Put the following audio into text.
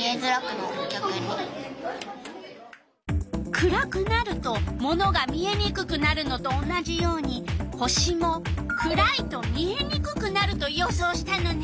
暗くなるとものが見えにくくなるのと同じように星も暗いと見えにくくなると予想したのね。